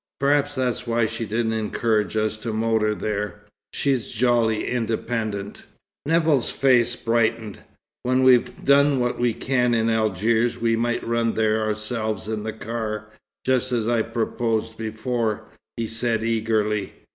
Perhaps that's why she didn't encourage us to motor there. She's jolly independent." Nevill's face brightened. "When we've done what we can in Algiers, we might run there ourselves in the car, just as I proposed before," he said eagerly.